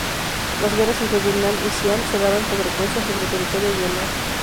Las guerras entre Vietnam y Siam se daban con frecuencia sobre territorio jemer.